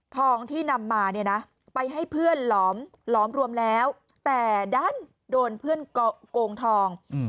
ทองที่นำมาเนี่ยนะไปให้เพื่อนหลอมหลอมรวมแล้วแต่ดันโดนเพื่อนโกงทอง